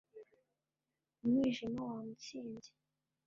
Umwijima wamutsinze